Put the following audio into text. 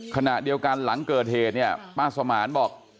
ขณะเดียวกันหลังเกิดเหตุเนี่ยป้าสมานบอก